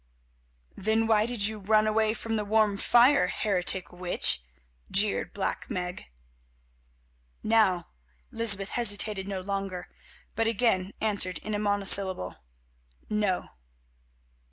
"Then why did you run away from the warm fire, heretic witch?" jeered Black Meg. Now Lysbeth hesitated no longer, but again answered in a monosyllable, "No."